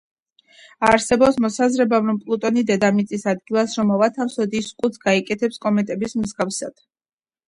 არსებობს მოსაზრება, რომ პლუტონი დედამიწის ადგილას რომ მოვათავსოთ, ის კუდს გაიკეთებს კომეტების მსგავსად.